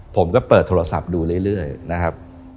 ผมก็เปิดโทรศัพท์ดูเรื่อยนะครับ